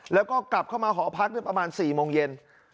แล้วก็กลับเข้ามาหอพักประมาณ๔โมงเย็น